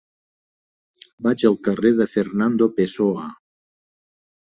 Vaig al carrer de Fernando Pessoa.